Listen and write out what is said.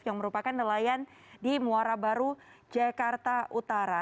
yang merupakan nelayan di muara baru jakarta utara